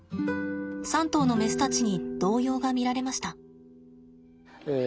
３頭のメスたちに動揺が見られました。